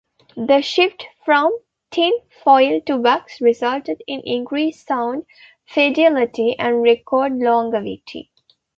The shift from tinfoil to wax resulted in increased sound fidelity and record longevity.